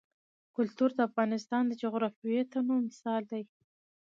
کلتور د افغانستان د جغرافیوي تنوع مثال دی.